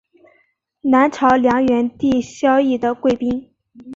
南朝梁元帝萧绎的贵嫔。